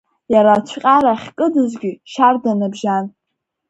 Иара ацәҟьара ахькыдызгьы шьарда набжьан.